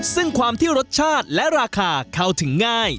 ซึ่งความที่รสชาติและราคาเข้าถึงง่าย